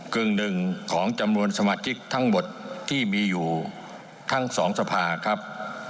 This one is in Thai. กึ่งหนึ่งของจำนวนสมาชิกทั้งหมดที่มีอยู่ทั้งสองสภาครับ